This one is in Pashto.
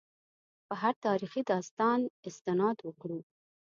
په هر تاریخي داستان استناد وکړو.